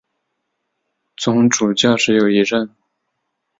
总主教只有一任。